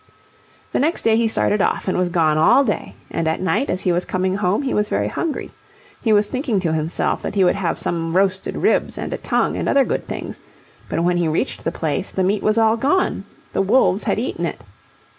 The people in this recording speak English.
The next day he started off and was gone all day, and at night, as he was coming home, he was very hungry. He was thinking to himself that he would have some roasted ribs and a tongue and other good things; but when he reached the place, the meat was all gone; the wolves had eaten it.